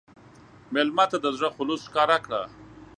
مېلمه ته د زړه خلوص ښکاره کړه.